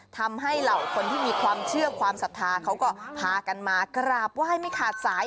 เหล่าคนที่มีความเชื่อความศรัทธาเขาก็พากันมากราบไหว้ไม่ขาดสาย